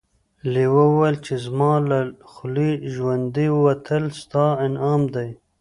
لیوه وویل چې زما له خولې ژوندی وتل ستا انعام دی.